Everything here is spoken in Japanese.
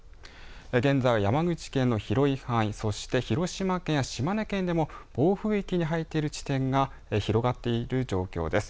現在、山口県の広い範囲そして広島県や島根県でも暴風域に入っている地点が広がっている状況です。